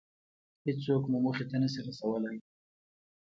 هېڅوک مو موخې ته نشي رسولی.